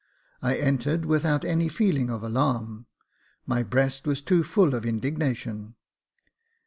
I entered without any feeling of alarm, my breast was too full of indignation.